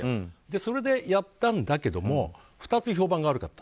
それでやったんだけれども２つ評判が悪かった。